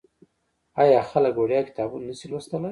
آیا خلک وړیا کتابونه نشي لوستلی؟